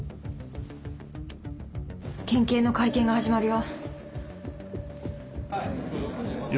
県警の会見が始まるよ。